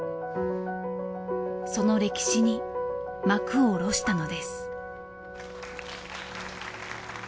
その歴史に幕を下ろしたのです。